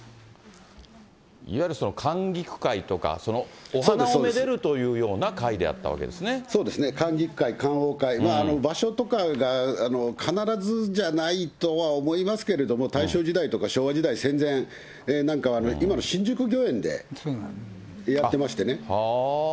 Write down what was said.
いわゆる観菊会とか、お花をめでるというような会であったわそうですね、観菊会、観桜会、場所とかが必ずじゃないとは思いますけれども、大正時代とか昭和時代、戦前なんか今の新宿御苑でやってましてね。